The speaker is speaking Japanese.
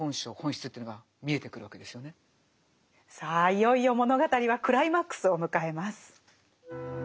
いよいよ物語はクライマックスを迎えます。